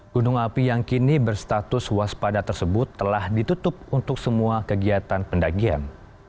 gunung api yang kini berstatus waspada tersebut telah ditutup untuk semua kegiatan pendakian